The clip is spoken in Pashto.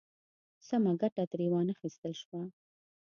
سمه ګټه ترې وا نخیستل شوه.